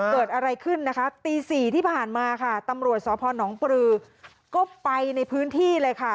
เกิดอะไรขึ้นนะคะตี๔ที่ผ่านมาค่ะตำรวจสพนปรือก็ไปในพื้นที่เลยค่ะ